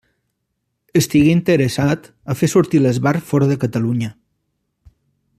Estigué interessat a fer sortir l'Esbart fora de Catalunya.